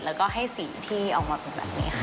แล้วก็ให้สีที่ออกมาเป็นแบบนี้ค่ะ